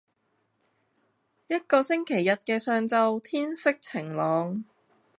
一個星期日嘅上晝天色晴朗